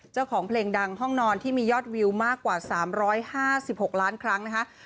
เจ้าของเพลงดังห้องนอนที่มียอดวิวมากกว่า๓๕๖ล้านครั้งนะคะ